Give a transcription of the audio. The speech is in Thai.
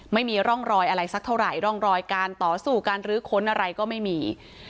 ไม่มีร่องรอยอะไรสักเท่าไหร่ร่องรอยการต่อสู้การรื้อค้นอะไรก็ไม่มี